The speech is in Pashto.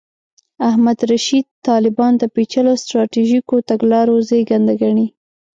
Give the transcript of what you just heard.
احمد رشید طالبان د پېچلو سټراټیژیکو تګلارو زېږنده ګڼي.